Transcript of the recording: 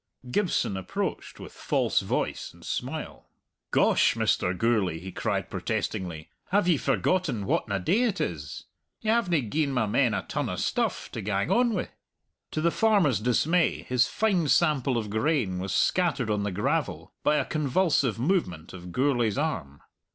Gibson approached with false voice and smile. "Gosh, Mr. Gourlay!" he cried protestingly, "have ye forgotten whatna day it is? Ye havena gi'en my men a ton o' stuff to gang on wi'." To the farmer's dismay his fine sample of grain was scattered on the gravel by a convulsive movement of Gourlay's arm.